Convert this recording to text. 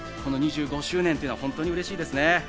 ２５周年というのは本当に嬉しいですね。